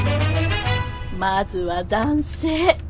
まずは男性。